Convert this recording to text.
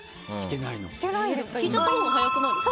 聞いちゃったほうが早くないですか。